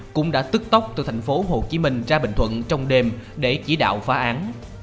cũng đã tức tốc từ thành phố hồ chí minh ra bình thuận trong đêm để chỉ đạo phá án